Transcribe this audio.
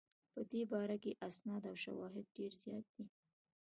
په دې باره کې اسناد او شواهد ډېر زیات دي.